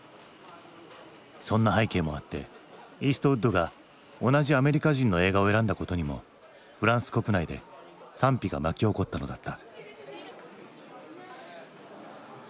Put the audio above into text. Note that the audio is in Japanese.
そんな背景もあってイーストウッドが同じアメリカ人の映画を選んだことにもフランス国内で賛否が巻き起こったのだった。